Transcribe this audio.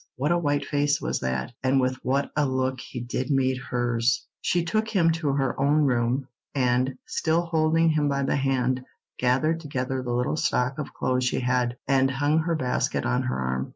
What a white face was that, and with what a look did he meet hers! She took him to her own room, and, still holding him by the hand, gathered together the little stock of clothes she had, and hung her basket on her arm.